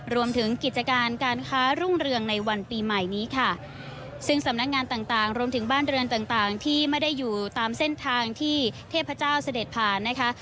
รวมถึงกิจการการค้ารุ่งเรืองในวันปีใหม่นี้ค่ะซึ่งสำนักงานต่างต่างรวมถึงบ้านเรือนต่างต่างที่ไม่ได้อยู่ตามเส้นทางที่เทพเจ้าเสด็จผ่านนะคะ